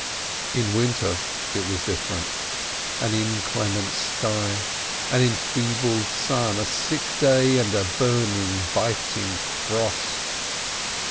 In winter it was different. An inclement sky, an enfeebled sun, a sick day, and a burning, biting frost!